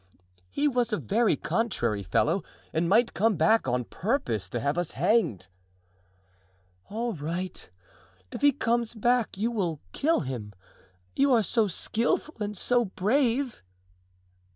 "He was a very contrary fellow and might come back on purpose to have us hanged." "All right; if he comes back you will kill him, you are so skillful and so brave."